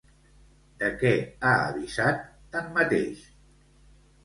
De què ha avisat, tanmateix?